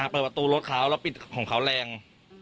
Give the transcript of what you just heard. เปิดประตูรถเขาแล้วปิดของเขาแรง